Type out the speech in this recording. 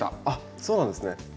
あっそうなんですね。